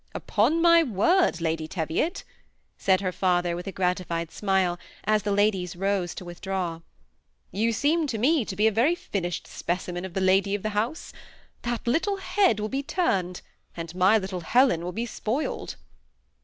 Upon my word. Lady Teviot,'' said her father, with a gratified smile, as the ladies rose to withdraw, ^' you seem to me to be a yexj finished spedmen of the lady of the house i that Httle head of yonra wilt be turned^ and my little. Heka will be spoiled."